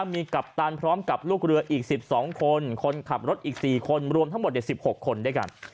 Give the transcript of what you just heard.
มีกัปตันพร้อมกับลูกเรืออีก๑๒คนคนขับรถอีก๔คนรวมทั้งหมด๑๖คนด้วยกัน